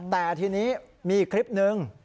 แต่ทีนี้มีอีกคลิปนึง